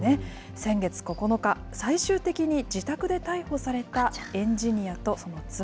先月９日、最終的に自宅で逮捕されたエンジニアとその妻。